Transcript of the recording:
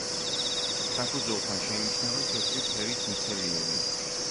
საფუძველთან შეიმჩნევა თეთრი ფერის მიცელიუმი.